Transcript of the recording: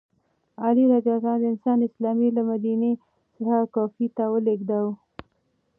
علي رض د اسلامي مرکز له مدینې څخه کوفې ته ولیږداوه.